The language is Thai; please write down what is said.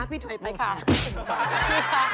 พี่คะ